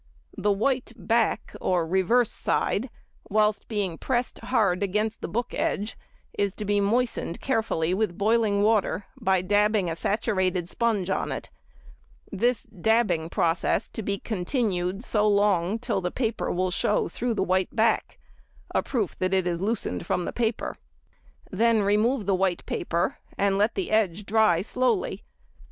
The white back or reverse side, whilst being pressed hard against the book edge, is to be moistened carefully with boiling water, by dabbing a saturated sponge on it; this dabbing process to be continued so long till the colour will show through the white back—a proof that it is loosened from the paper. Then remove the white paper, and let the edge dry slowly.